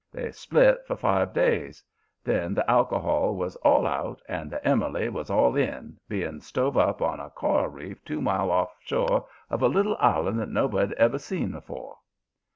They 'split' for five days. Then the alcohol was all out and the Emily was all in, being stove up on a coral reef two mile off shore of a little island that nobody'd ever seen afore.